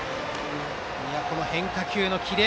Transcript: この変化球のキレ。